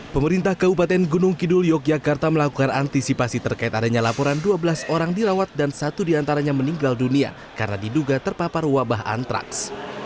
pemerintah kabupaten gunung kidul yogyakarta melakukan antisipasi terkait adanya laporan dua belas orang dirawat dan satu diantaranya meninggal dunia karena diduga terpapar wabah antraks